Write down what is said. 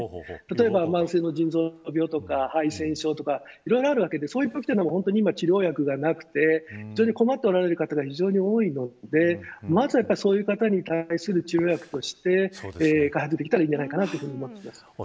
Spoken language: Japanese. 例えば慢性の腎臓病とかいろいろあるわけでそういう病気は本当に治療薬がなくて困っておられる方が非常に多いのでまず、そういう方に対する治療薬として開発できたらいいんじゃないかと思っています。